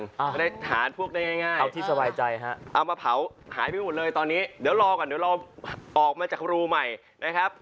จะได้หาพวกได้ง่ายเอาที่สบายใจฮะเอามาเผาหายไปหมดเลยตอนนี้เดี๋ยวรอก่อนเดี๋ยวเราออกมาจากรูใหม่นะครับ